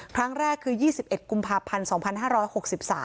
ครั้งแรกคือ๒๑กุมภาพันธ์๒๕๖๓